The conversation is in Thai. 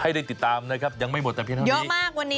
ให้ได้ติดตามนะครับยังไม่หมดแต่เพียงห้องเยอะมากวันนี้